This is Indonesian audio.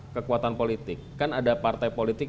kekuatan politik kan ada partai politik